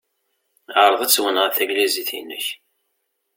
Ɛṛeḍ ad twennɛeḍ tagnizit-inek.